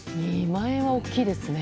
２万円は大きいですね。